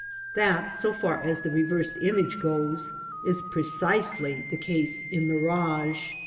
That, so far as the reversed image goes, is precisely the case in mirage.